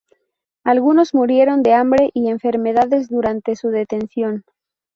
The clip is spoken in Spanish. Algunos murieron de hambre y enfermedades durante su detención.